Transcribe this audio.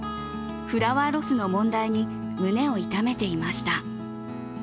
フラワーロスの問題に胸を痛めていました。